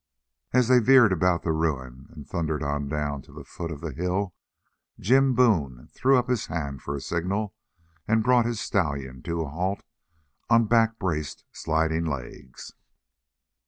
As they veered about the ruin and thundered on down to the foot of the hill, Jim Boone threw up his hand for a signal and brought his stallion to a halt on back braced, sliding legs.